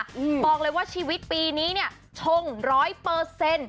บอกเลยว่าชีวิตปีนี้เนี่ยชงร้อยเปอร์เซ็นต์